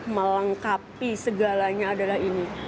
melengkapi segalanya adalah ini